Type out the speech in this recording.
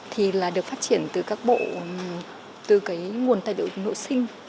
thì là được phát triển từ các bộ từ cái nguồn tài liệu nội sinh